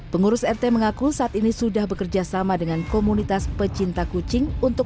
pengurus rt mengaku saat ini sudah bekerja sama dengan komunitas pecinta kucing untuk